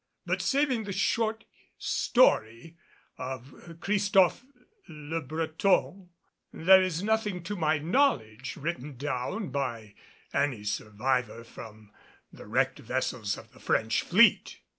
But saving the short story of Christophe Le Breton, there is nothing to my knowledge written down by any survivor from the wrecked vessels of the French fleet.